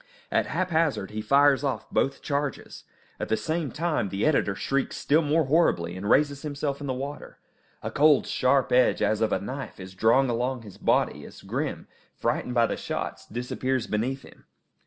At haphazard he fires off both charges. At the same time the editor shrieks still more horribly, and raises himself in the water. A cold, sharp edge, as of a knife, is drawn along his body, as Grim, frightened by the shots, disappears beneath him.